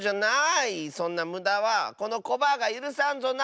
そんなむだはこのコバアがゆるさんぞな！